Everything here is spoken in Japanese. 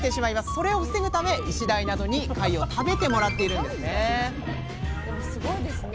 それを防ぐためイシダイなどに貝を食べてもらっているんですねでもすごいですね